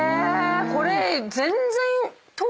これ全然。